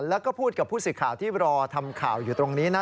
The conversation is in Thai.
แล้วก็พูดกับผู้สื่อข่าวที่รอทำข่าวอยู่ตรงนี้นะ